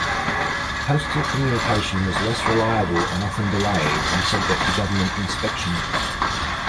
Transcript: Postal communications was less reliable and often delayed and subject to government inspection.